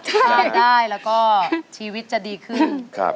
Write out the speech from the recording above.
ทานได้แล้วก็ชีวิตจะดีขึ้น